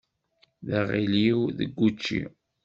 D aɣiliw deg učči.